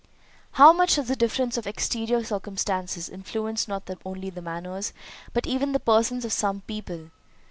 How much does the difference of exterior circumstances influence not only the manners, but even the persons of some people!